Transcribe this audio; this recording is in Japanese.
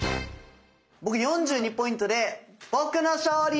僕４２ポイントで僕の勝利！